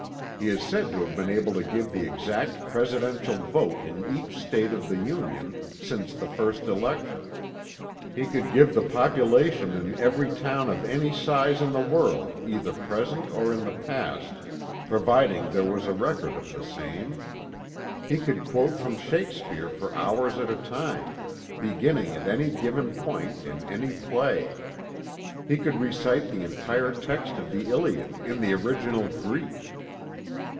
He is said to have been able to give the exact presidential vote in each State of the Union since the first election. He could give the population in every town of any size in the world either present or in the past providing there was a record of the same. He could quote from Shakespeare for hours at a time beginning at any given point in any play. He could recite the entire text of the Iliad in the original Greek.